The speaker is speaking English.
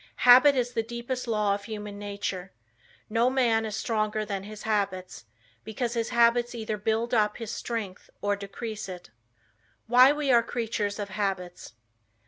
"Habit is the deepest law of human nature." No man is stronger than his habits, because his habits either build up his strength or decrease it. Why We Are Creatures of Habits.